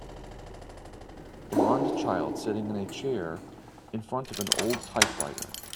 Blond child sitting in a chair in front of an old typewriter.